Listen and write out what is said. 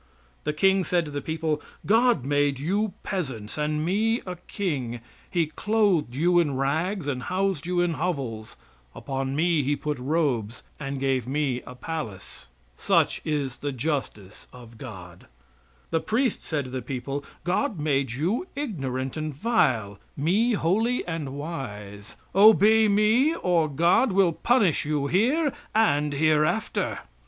The king said to the people: "God made you peasants and me a king; He clothed you in rags and housed you in hovels; upon me He put robes and gave me a palace." Such is the justice of God. The priest said to the people: "God made you ignorant and vile, me holy and wise; obey me, or God will punish you here and hereafter."